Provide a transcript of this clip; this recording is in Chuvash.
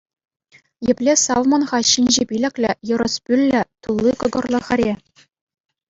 Епле савмӑн-ха ҫинҫе пилӗклӗ, йӑрӑс пӳллӗ, тулли кӑкӑрлӑ хӗре?